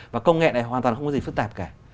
và công nghệ này hoàn toàn không có gì phức tạp cả